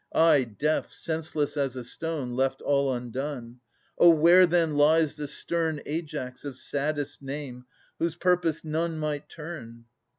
I, deaf, senseless as a stone. Left all undone. Oh, where, then, lies the stern Aias, of saddest name, whose purpose none might turn